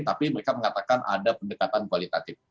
tapi mereka mengatakan ada pendekatan kualitatif